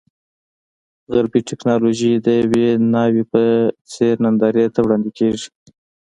غربي ټکنالوژي د یوې ناوې په څېر نندارې ته وړاندې کېږي.